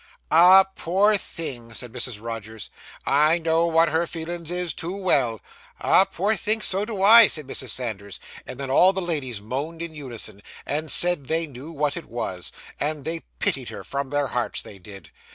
'Ah, poor thing!' said Mrs. Rogers, 'I know what her feelin's is, too well.' Ah, poor thing! so do I,' said Mrs. Sanders; and then all the ladies moaned in unison, and said they knew what it was, and they pitied her from their hearts, they did.